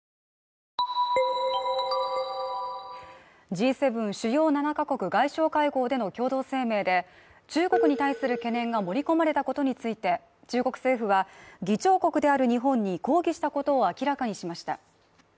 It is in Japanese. Ｇ７＝主要７カ国外相会合での共同声明で中国に対する懸念が盛り込まれたことについて、中国政府は議長国である日本に抗議したことを明らかにしました。